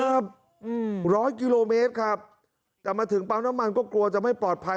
อืมร้อยกิโลเมตรครับแต่มาถึงปั๊มน้ำมันก็กลัวจะไม่ปลอดภัย